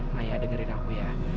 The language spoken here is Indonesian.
maya dengerin aku ya